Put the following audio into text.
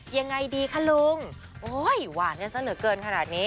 ยังไงดีคะลุงโอ้ยหวานเนี่ยสักเหนือเกินขนาดนี้